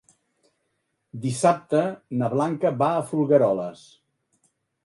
Dissabte na Blanca va a Folgueroles.